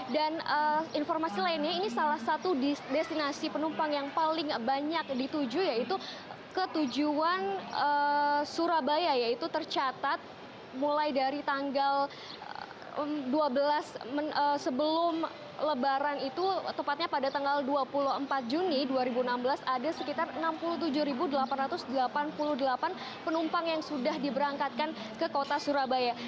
dan informasi lainnya ini salah satu destinasi penumpang yang paling banyak dituju yaitu ketujuan surabaya yaitu tercatat mulai dari tanggal dua belas sebelum lebaran itu tepatnya pada tanggal dua puluh empat juni dua ribu enam belas ada sekitar enam puluh tujuh delapan ratus delapan puluh delapan penumpang yang sudah diberangkatkan ke kota surabaya